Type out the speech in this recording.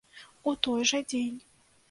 У той жа дзень.